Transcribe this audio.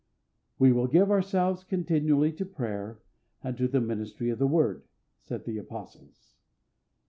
"We will give ourselves continually to prayer, and to the ministry of the word," said the Apostles.